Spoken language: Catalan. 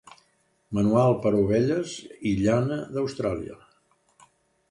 Manual per a ovelles i llana d'Austràlia.